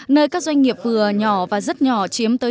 nơi các doanh nghiệp vừa nhỏ và rất nhỏ chiếm tới chín mươi tám